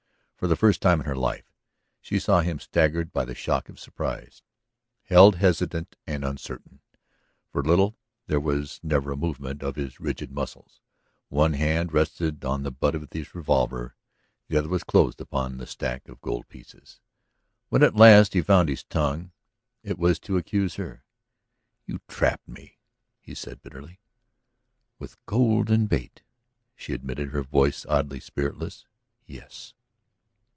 For the first time in her life she saw him staggered by the shock of surprise, held hesitant and uncertain. For a little there was never a movement of his rigid muscles; one hand rested upon the butt of his revolver, the other was closed upon the stack of gold pieces. When at last he found his tongue it was to accuse her. "You trapped me," he said bitterly. "With golden bait," she admitted, her voice oddly spiritless. "Yes."